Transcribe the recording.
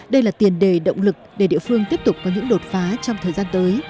đây là tiền đề động lực để địa phương tiếp tục có những đột phá trong thời gian tới